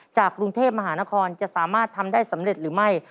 กรุงเทพมหานครจะสามารถทำได้สำเร็จหรือไม่